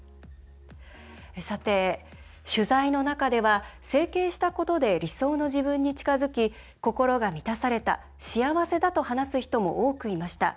さて、取材の中では整形したことで理想の自分に近づき心が満たされた幸せだと話す人も多くいました。